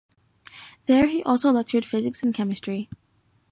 There he also lectured physics and chemistry.